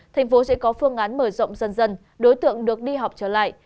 tp hcm sẽ có phương án mở rộng dần dần đối tượng được đi học trở lại